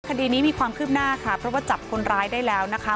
คดีนี้มีความคืบหน้าค่ะเพราะว่าจับคนร้ายได้แล้วนะคะ